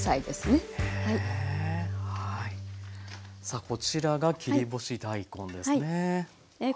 さあこちらが切り干し大根ですね。